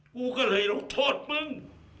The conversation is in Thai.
กูก็เลยลงโทษมึง